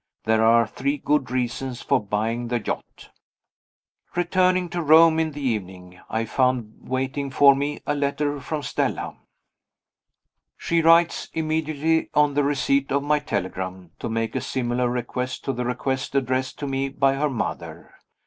There are three good reasons for buying the yacht. Returning to Rome in the evening, I found waiting for me a letter from Stella. She writes (immediately on the receipt of my telegram) to make a similar request to the request addressed to me by her mother.